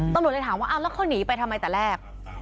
ตำรวจเลยถามว่าเอาแล้วเขาหนีไปทำไมแต่แรก